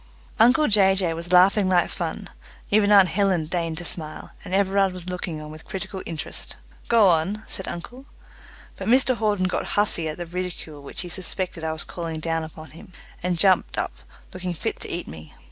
Uncle Jay Jay was laughing like fun; even aunt Helen deigned to smile; and Everard was looking on with critical interest. "Go on," said uncle. But Mr Hawden got huffy at the ridicule which he suspected I was calling down upon him, and jumped up looking fit to eat me.